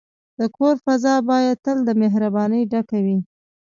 د کور فضا باید تل د مهربانۍ ډکه وي.